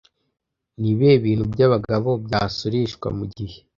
Ni ibihe bintu byabagabo byasoreshwa mugihe